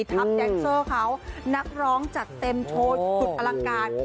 แดนเซอร์เขานักร้องจัดเต็มโชว์สุดอลังการ